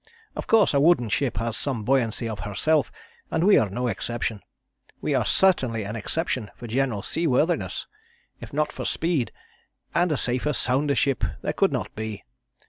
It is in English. Of course a wooden ship has some buoyancy of herself, and we are no exception. We are certainly an exception for general seaworthiness if not for speed and a safer, sounder ship there could not be.